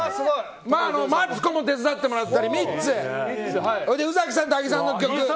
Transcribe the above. マツコも手伝ってもらったりミッツ、宇崎さんと阿木さんの曲。